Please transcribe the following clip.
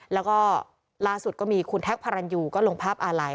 แล้วก็ล่าสุดก็มีคุณแท็กพารันยูก็ลงภาพอาลัย